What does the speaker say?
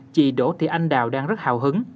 chị đỗ thị anh đào đang rất hào hứng